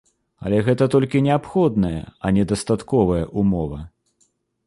Але гэта толькі неабходная, а не дастатковая ўмова.